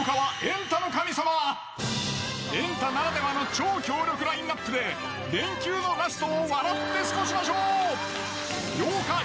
『エンタ』ならではの超強力ラインアップで連休のラストを笑って過ごしましょう！